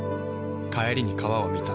帰りに川を見た。